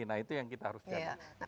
nah itu yang kita harus jaga